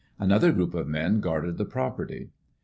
Another group of men guarded the property.